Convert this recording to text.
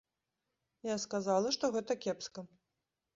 Я сказала, што гэта кепска.